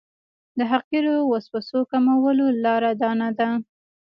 د حقیرو وسوسو کمولو لاره دا نه ده.